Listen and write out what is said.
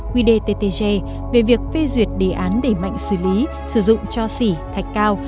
quy đề ttg về việc phê duyệt đề án đẩy mạnh xử lý sử dụng cho xỉ thạch cao